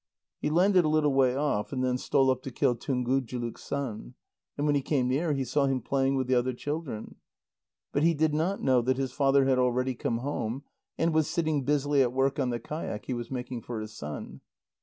He landed a little way off, and then stole up to kill Tungujuluk's son. And when he came near, he saw him playing with the other children. But he did not know that his father had already come home, and was sitting busily at work on the kayak he was making for his son.